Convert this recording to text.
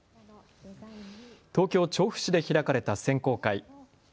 東京調布市で開かれた選考会。